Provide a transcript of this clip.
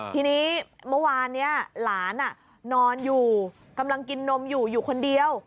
ทีนี้เมื่อวานนี้หลานนอนอยู่กำลังกินนมอยู่อยู่คนเดียว